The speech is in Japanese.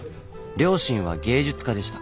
両親は芸術家でした。